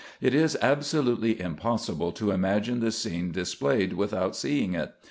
It is absolutely impossible to imagine the scene dis played, without seeing it.